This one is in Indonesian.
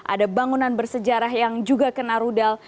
ada bangunan bersejarah yang juga kena rudal